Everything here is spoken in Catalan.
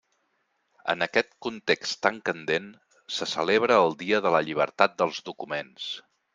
En aquest context tan candent, se celebra el Dia de la Llibertat dels Documents.